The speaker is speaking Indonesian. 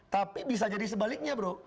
tapi bisa jadi sebaliknya bro